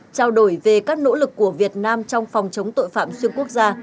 trao đổi về các nỗ lực của việt nam trong phòng chống tội phạm xuyên quốc gia